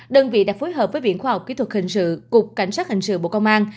đơn vị đã phối hợp với viện khoa học kỹ thuật hình sự cục cảnh sát hình sự bộ công an